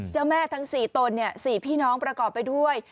เจ้าแม่ทั้งสี่ตนเนี่ยสี่พี่น้องประกอบไปด้วย